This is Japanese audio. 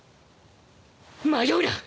迷うな！